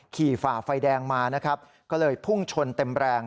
ขี่ฝ่าไฟแดงมาก็เลยพุ่งชนเต็มแรง